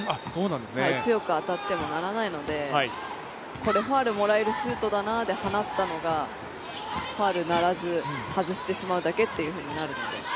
強く当たっても鳴らないのでファウルをもらえるシュートだなって思って放ったのが、ファウルにならず外してしまうだけってなる。